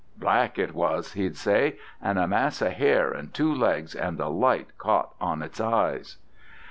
'Black it was,' he'd say, 'and a mass of hair, and two legs, and the light caught on its eyes.'